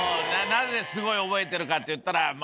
なぜすごい覚えてるかっていったら。